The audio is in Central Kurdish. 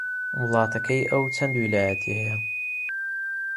وڵاتەکەی ئەو چەند ویلایەتی هەیە؟